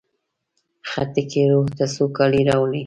خټکی روح ته سوکالي راولي.